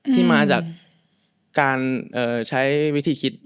ที่มาจากการใช้วิธีคิด